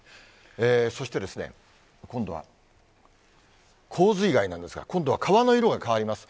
そして、今度は洪水害なんですが、今度は川の色が変わります。